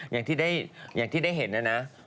อย่างที่ได้เห็นนะนะ